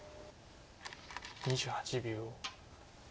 ２８秒。